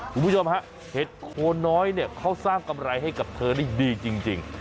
คุณผู้ชมฮะเห็ดโคนน้อยเนี่ยเขาสร้างกำไรให้กับเธอได้ดีจริง